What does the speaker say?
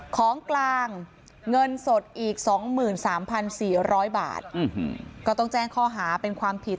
ของกลางเงินสดอีก๒๓๔๐๐บาทก็ต้องแจ้งข้อหาเป็นความผิด